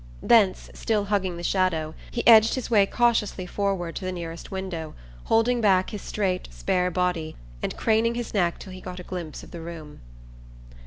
Thence, still hugging the shadow, he edged his way cautiously forward to the nearest window, holding back his straight spare body and craning his neck till he got a glimpse of the room.